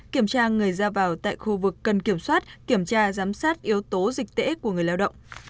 kiểm tra người ra vào tại khu vực cần kiểm soát kiểm tra giám sát yếu tố dịch tễ của người lao động